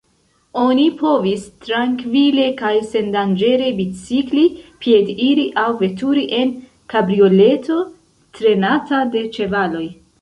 Oni povis trankvile kaj sendanĝere bicikli, piediri aŭ veturi en kabrioleto trenata de ĉevaloj.